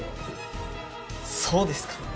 そうですか？